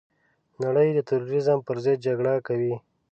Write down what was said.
نړۍ د تروريزم پرضد جګړه کوي.